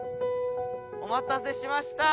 お待たせしました！